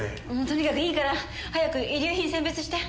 とにかくいいから早く遺留品選別して。